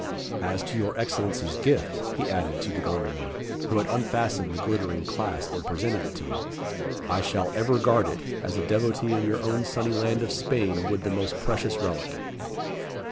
As to your Excellency's gift," he added to De Gondomar, who had unfastened the glittering clasp and presented it to him, "I shall ever guard it, as a devotee in your own sunny land of Spain would the most precious relic."